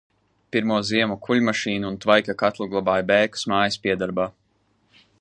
Pirmo ziemu kuļmašīnu un tvaika katlu glabāja Bēkas mājas piedarbā.